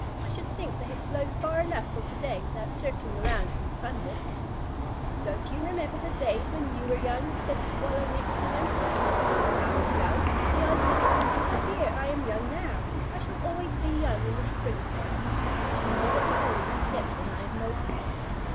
"I should think they had flown far enough for to day without circling around for the fun of it." "Don't you remember the days when you were young?" said the Swallow next to him. "When I was young?" he answered. "My dear, I am young now. I shall always be young in the springtime. I shall never be old except when I am moulting."